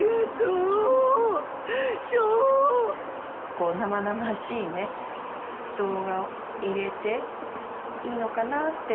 こう生々しいね動画を入れていいのかなって。